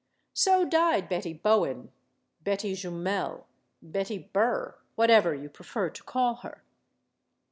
So died Betty Bowen Betty Jumel Betty Burr whatever you prefer to call her.